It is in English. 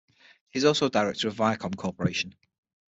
He is also a director at Viacom Corporation.